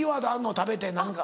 食べて何か。